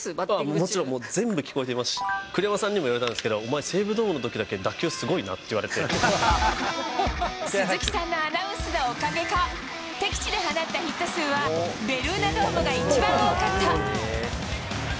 もちろん、全部聞こえていますし、栗山さんにも言われたんですけど、お前、西武ドームのときだけ打球鈴木さんのアナウンスのおかげか、敵地で放ったヒット数は、ベルーナドームが一番多かった。